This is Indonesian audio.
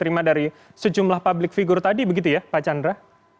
terima dari sejumlah public figure tadi begitu ya pak chandra